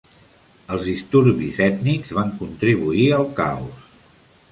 Els disturbis ètnics van contribuir al caos.